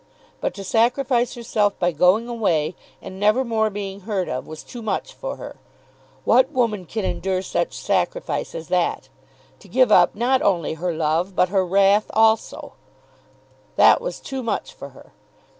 But to sacrifice herself by going away and never more being heard of, was too much for her! What woman can endure such sacrifice as that? To give up not only her love, but her wrath also; that was too much for her!